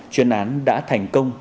chuyên án đã thành công